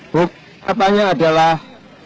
bukti katanya adalah